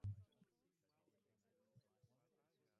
She auditioned for her first big movie role and got the part!